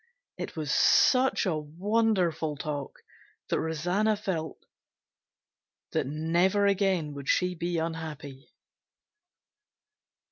It was such a wonderful talk that Rosanna felt that never again would she be unhappy.